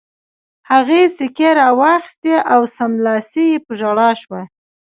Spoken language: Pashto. هغې سیکې را واخیستې او سملاسي په ژړا شوه